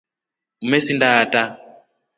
Umesinda ata.